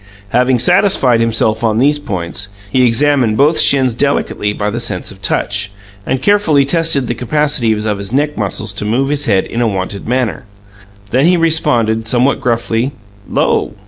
Having satisfied himself on these points, he examined both shins delicately by the sense of touch, and carefully tested the capacities of his neck muscles to move his head in a wonted manner. Then he responded somewhat gruffly: "'Lo!"